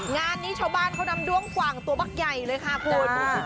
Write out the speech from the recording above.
งานนี้ชาวบ้านเขานำด้วงกว่างตัวบักใหญ่เลยค่ะคุณ